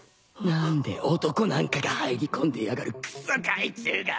何で男なんかが入り込んでやがるくそ害虫が！